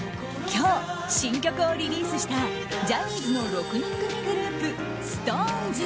今日、新曲をリリースしたジャニーズの６人組グループＳｉｘＴＯＮＥＳ。